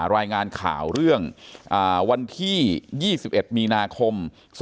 รายงานข่าวเรื่องวันที่๒๑มีนาคม๒๕๖